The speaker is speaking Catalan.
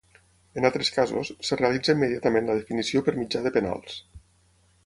En altres casos, es realitza immediatament la definició per mitjà de penals.